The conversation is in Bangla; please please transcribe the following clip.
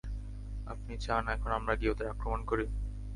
আপনি চান এখন আমরা গিয়ে ওদের আক্রমণ করি?